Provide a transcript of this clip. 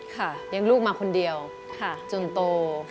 เลี้ยงลูกมาคนเดียวจนโต